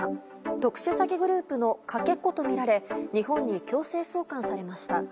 特殊詐欺グループのかけ子とみられ日本に強制送還されました。